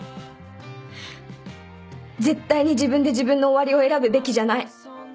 絶対に自分で自分の終わりを選ぶべきじゃない。